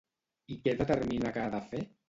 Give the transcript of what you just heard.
I què determina que ha de fer?